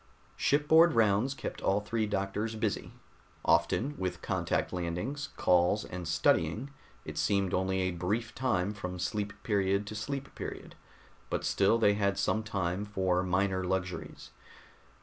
Shipboard rounds kept all three doctors busy. Often, with contact landings, calls, and studying, it seemed only a brief time from sleep period to sleep period, but still they had some time for minor luxuries.